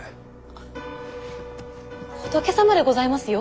あ仏様でございますよ。